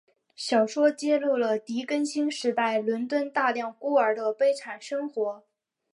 小说揭露了狄更斯时代伦敦大量孤儿的悲惨生活。